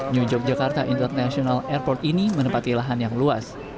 new yogyakarta international airport ini menempati lahan yang luas